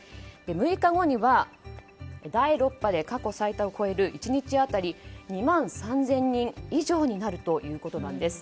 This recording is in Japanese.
６日後には第６波で過去最多を超える１日当たり２万３０００人以上になるということです。